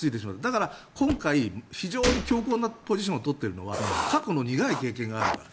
だから今回、非常に強硬なポジションを取っているのは過去の苦い経験があるから。